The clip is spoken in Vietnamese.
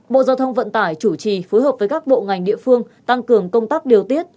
bộ giao thông vận tải chủ trì phối hợp với các bộ ngành địa phương tăng cường công tác điều tiết